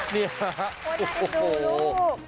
นี่โอ้โหโอ้โห